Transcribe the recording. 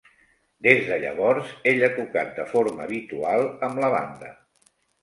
Des de llavors, ell ha tocat de forma habitual amb la banda.